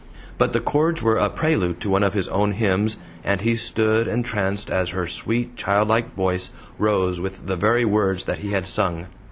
But the chords were a prelude to one of his own hymns, and he stood entranced as her sweet, childlike voice rose with the very words that he had sung.